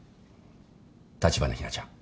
立花日菜ちゃん。